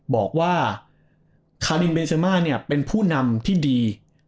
บอกว่าคารินเมเซมาเนี่ยเป็นผู้นำที่ดี